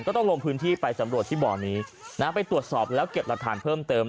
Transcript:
ต้องลงพื้นที่ไปสำรวจที่บ่อนี้ไปตรวจสอบแล้วเก็บหลักฐานเพิ่มเติม